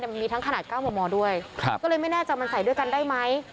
มันมีทั้งขนาด๙มมด้วยก็เลยไม่แน่ใจมันใส่ด้วยกันได้ไหม